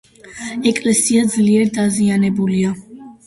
ეკლესია ძლიერ დაზიანებულია.